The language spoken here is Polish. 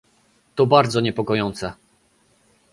To bardzo niepokojące